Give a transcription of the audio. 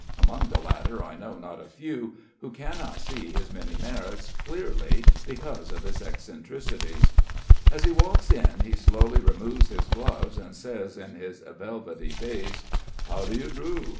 Among the latter I know not a few who cannot see his many merits clearly because of his eccentricities. As he walks in he slowly removes his gloves and says in his velvety bass: "How do you do?